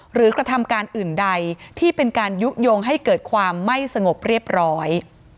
กระทำการอื่นใดที่เป็นการยุโยงให้เกิดความไม่สงบเรียบร้อย